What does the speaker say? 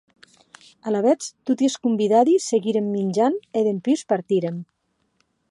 Alavetz toti es convidadi seguírem minjant, e dempús partírem.